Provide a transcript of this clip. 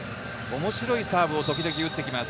面白いサーブを時々打ってきます。